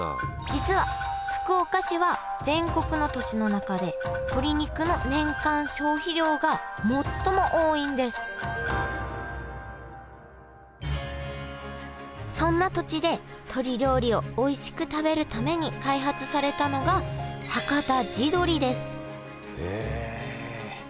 実は福岡市は全国の都市の中で鶏肉の年間消費量が最も多いんですそんな土地で鶏料理をおいしく食べるために開発されたのがはかた地どりですへえ。